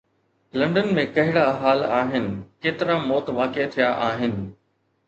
London ۾ ڪهڙا حال آهن، ڪيترا موت واقع ٿيا آهن